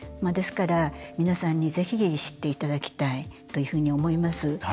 ですから、皆さんにぜひ知っていただきたいというふうに思います。